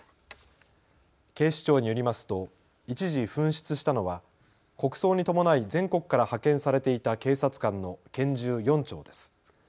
警視庁によりますと一時、紛失したのは国葬に伴い全国から派遣されていた警察官の拳銃４丁です。